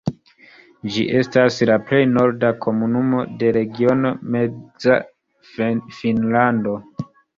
Ĝi estas la plej norda komunumo de regiono Meza Finnlando.